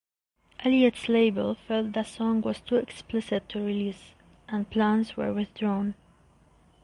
Elliott's label felt the song was too explicit to release, and plans were withdrawn.